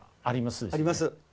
あります。